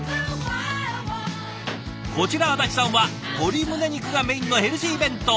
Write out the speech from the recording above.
こちら安達さんは鶏胸肉がメインのヘルシー弁当。